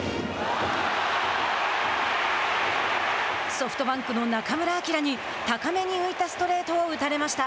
ソフトバンクの中村晃に高めに浮いたストレートを打たれました。